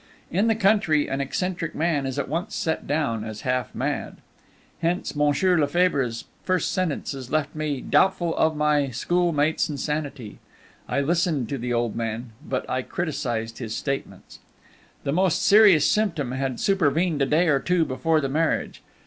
In the country an eccentric man is at once set down as half mad. Hence Monsieur Lefebvre's first sentences left me doubtful of my schoolmate's insanity. I listened to the old man, but I criticised his statements. The most serious symptom had supervened a day or two before the marriage.